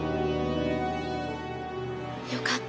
よかった。